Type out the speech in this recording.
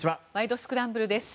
スクランブル」です。